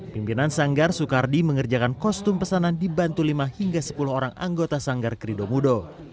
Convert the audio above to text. pimpinan sanggar soekardi mengerjakan kostum pesanan dibantu lima hingga sepuluh orang anggota sanggar kridomudo